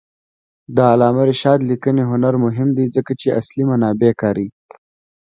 د علامه رشاد لیکنی هنر مهم دی ځکه چې اصلي منابع کاروي.